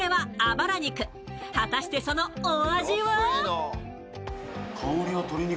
ばら肉果たしてそのお味は？